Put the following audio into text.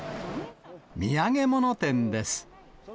土産物店です。